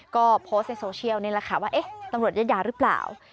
ก็โพสต์ในโซเชียลนี่แหละค่ะว่าเอ๊ะตำรวจยัดยาหรือเปล่า